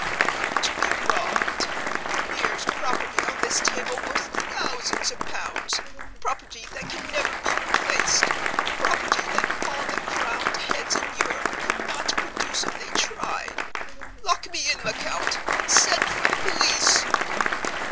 I'm to be robbed! Here's property on this table worth thousands of pounds—property that can never be replaced—property that all the crowned heads in Europe could not produce if they tried. Lock me in, Lecount, and send for the police!"